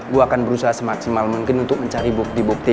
gue akan berusaha semaksimal mungkin untuk mencari bukti bukti